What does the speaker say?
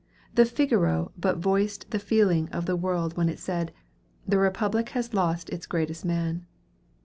The "Figaro" but voiced the feeling of the world when it said, "The Republic has lost its greatest man."